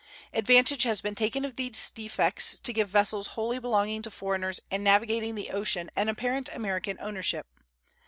Advantage has been taken of these defects to give to vessels wholly belonging to foreigners and navigating the ocean an apparent American ownership.